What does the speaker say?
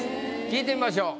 聞いてみましょう。